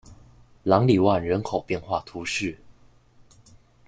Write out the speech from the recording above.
朗里万人口变化图示